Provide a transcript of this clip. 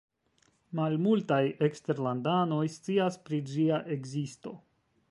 Malmultaj eksterlandanoj scias pri ĝia ekzisto.